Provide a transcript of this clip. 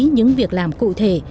những việc làm cụ thể